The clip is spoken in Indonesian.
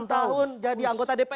dua puluh enam tahun jadi anggota dpr